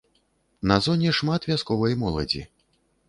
На зоне шмат вясковай моладзі.